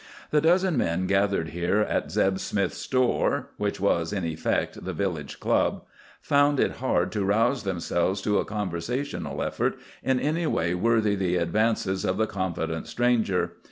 The dozen men gathered here at Zeb Smith's store—which was, in effect, the village club—found it hard to rouse themselves to a conversational effort in any way worthy the advances of the confident stranger.